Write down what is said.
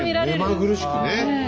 目まぐるしくね。